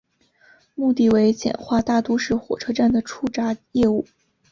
目的为简化大都市火车站的出闸业务。